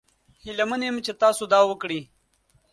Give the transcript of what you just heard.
هیله من یم چې تاسو دا وکړي.